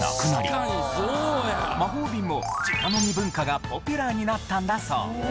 魔法瓶も直飲み文化がポピュラーになったんだそう。